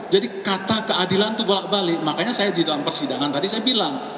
jadi kata keadilan itu bolak balik makanya saya di dalam persidangan tadi saya bilang